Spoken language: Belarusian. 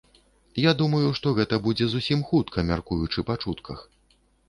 Я думаю, што гэта будзе зусім хутка, мяркуючы па чутках.